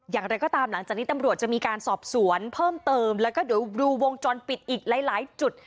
อย่างไรก็ตามหลังจากนี้ตำรวจจะมีการสอบสวนเพิ่มเติมแล้วก็เดี๋ยวดูวงจรปิดอีกหลายจุด